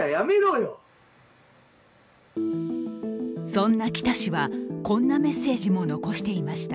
そんな北氏はこんなメッセージも残していました。